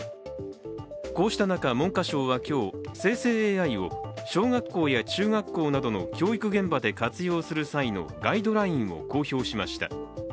こうした中、文科省は今日、生成ＡＩを小学校や中学校などの教育現場で活用する際のガイドラインを公表しました。